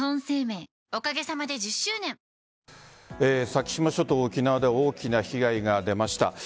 先島諸島、沖縄で大きな被害が出ました。